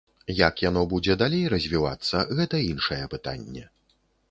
Як яно будзе далей развівацца, гэта іншае пытанне.